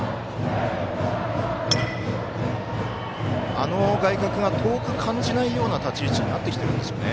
あの外角が遠く感じないような立ち位置になってきているんですかね。